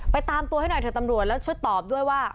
ตามตัวให้หน่อยเถอะตำรวจแล้วช่วยตอบด้วยว่า